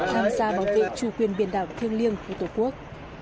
tham gia bảo vệ chủ quyền biển đảo thiêng liêng của tổ quốc